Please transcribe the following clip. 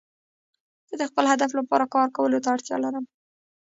زه د خپل هدف لپاره کار کولو ته اړتیا لرم.